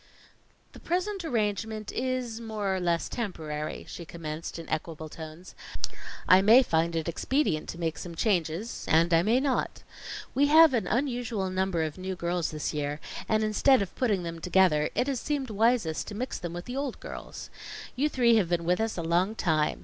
"The present arrangement is more or less temporary," she commenced in equable tones. "I may find it expedient to make some changes, and I may not. We have an unusual number of new girls this year; and instead of putting them together, it has seemed wisest to mix them with the old girls. You three have been with us a long time.